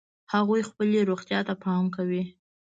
هغوی خپلې روغتیا ته پام کوي